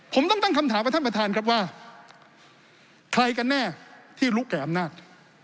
ผมต้องตั้งคำถามกับท่านประธานครับว่าใครกันแน่ที่รู้แก่อำนาจ